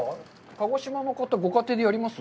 鹿児島の方、ご家庭でやります？